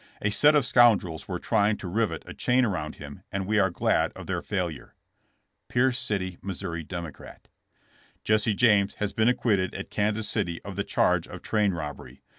A set of scoundrels were trying to rivet a chain around him and we are glad of their failure."— Pierce City (Mo.) Democrat. "Jesse James has been acquitted at Kansas City of the charge of train robbery.